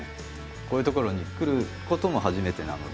こういう所に来ることも初めてなので。